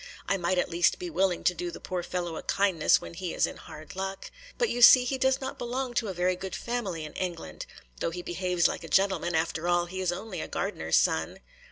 I might at least be willing to do the poor fellow a kindness when he is in hard luck. But you see, he does not belong to a very good family in England. Though he behaves like a gentleman, after all he is only a gardener's son."